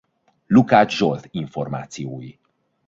Lukács Zsolt információi